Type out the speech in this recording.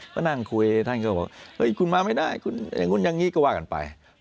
ก็นั่งคุยท่านก็บอกคุณมาไม่ได้คุณอย่างนู้นอย่างนี้ก็ว่ากันไป